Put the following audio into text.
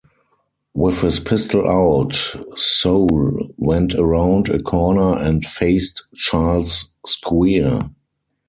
With his pistol out, Soule went around a corner and faced Charles Squier.